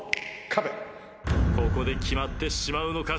ここで決まってしまうのか？